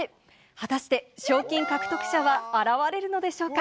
果たして賞金獲得者は現れるのでしょうか。